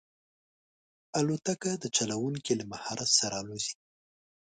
الوتکه د چلونکي له مهارت سره الوزي.